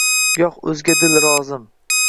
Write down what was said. Yo’q o’zga dil rozim